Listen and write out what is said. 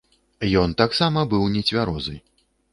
Ён таксама быў нецвярозы.